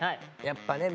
やっぱね